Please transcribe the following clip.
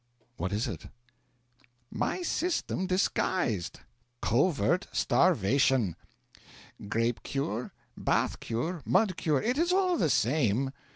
'What is it?' 'My system disguised covert starvation. Grape cure, bath cure, mud cure it is all the same.